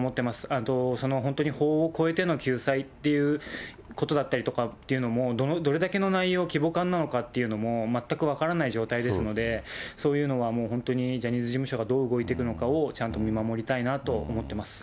あと本当に法を超えての救済っていうことだったりとかっていうのも、どれだけの内容、規模感なのかというのも全く分からない状態ですので、そういうのはもうジャニーズ事務所がどう動いていくのかを、ちゃんと見守りたいなと思ってます。